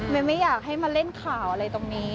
ไม่อยากให้มาเล่นข่าวอะไรตรงนี้